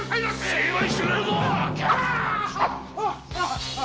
成敗してくれる！